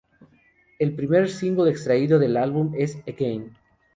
El primer single extraído del álbum es "Again".